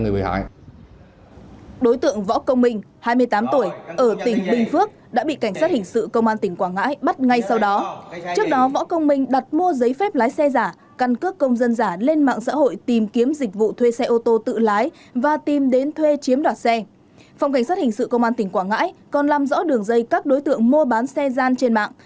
phòng cảnh sát hình sự công an tỉnh quảng ngãi còn làm rõ đường dây các đối tượng mua bán xe gian trên mạng